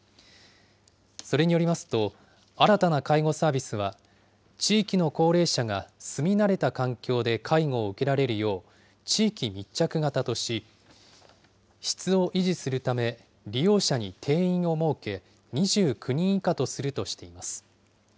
それによりますと、新たな介護サービスは、地域の高齢者が住み慣れた環境で介護を受けられるよう、地域密着型とし、質を維持するため、利用者に定員を設け、２９人以下とするとしています。